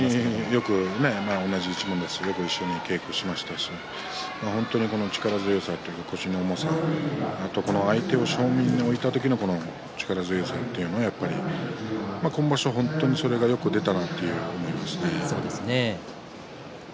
同じ一門ですしよく一緒に稽古をしましたし力強さ、腰の重さ相手を正面に置いた時の力強さというのが、やっぱり今場所は、本当にそれがよく出たなと思いますね。